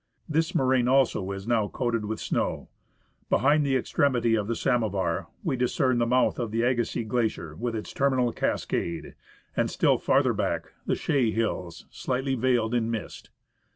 This moraine also is now coated with snow. Behind the extremity of the 103 THE ASCENT OF MOUNT ST. ELIAS Samovar we discern the mouth of the Agassiz Glacier with its terminal cascade, and, still farther back, the Chaix Hills slightly veiled in mist.